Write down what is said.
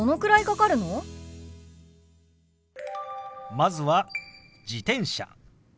まずは「自転車」。